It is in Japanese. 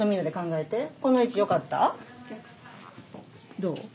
どう？